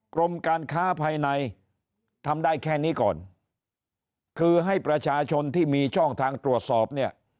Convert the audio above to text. กรมการค้าภายในทำได้แค่นี้ก่อนคือให้ประชาชนที่มีช่องทางตรวจสอบเนี่ย